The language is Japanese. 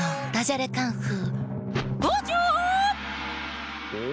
ダジャレカンフー。